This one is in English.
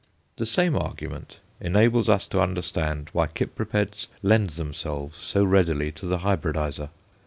The same argument enables us to understand why Cypripeds lend themselves so readily to the hybridizer.